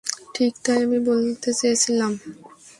ঠিক তাই আমি বলতে চাচ্ছিলাম।